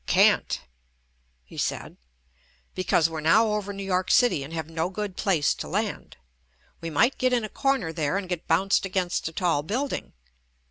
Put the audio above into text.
"Can't," he said, "because we're now over New York City and have no good place to land. We might get in a corner there and get bounced against a tall building."